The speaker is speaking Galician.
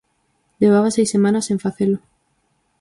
Levaba seis semanas sen facelo.